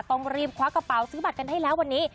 ต้องรีบคว้ากระเป๋าซื้อบัตรกันให้แล้ววันนี้